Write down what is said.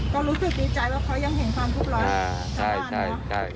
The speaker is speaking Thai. ก็รู้สึกดีใจว่าเค้ายังเห็นความผุบร้อย